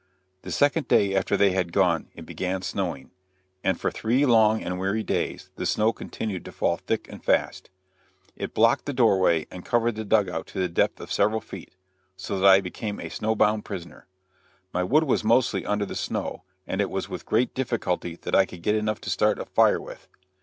The second day after they had gone it began snowing, and for three long and weary days the snow continued to fall thick and fast. It blocked the door way and covered the dug out to the depth of several feet, so that I became a snowbound prisoner. My wood was mostly under the snow, and it was with great difficulty that I could get enough to start a fire with.